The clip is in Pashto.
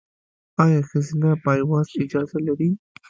ایا ښځینه پایواز اجازه لري؟